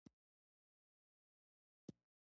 ځمکنی شکل د افغانستان د ولایاتو په کچه توپیر لري.